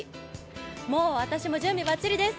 もう私も準備ばっちりです。